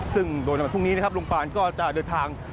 ซึ่งโดยในวันพรุ่งนี้นะครับลุงปานก็จะเดินทาง